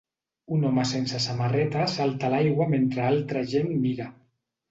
Un home sense samarreta salta a l'aigua mentre altra gent mira.